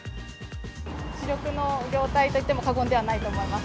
主力の業態といっても過言ではないと思います。